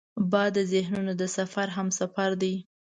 باد د ذهنونو د سفر همسفر دی